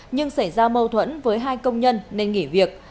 nhưng xảy ra mâu thuẫn với hai công nhân nên nghỉ việc